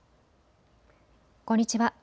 こんにちは。